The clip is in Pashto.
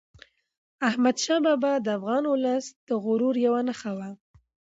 احمدشاه بابا د افغان ولس د غرور یوه نښه وه.